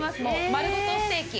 丸ごとステーキ。